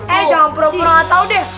eh jangan berang berang tahu deh